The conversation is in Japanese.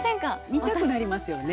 見たくなりますよね。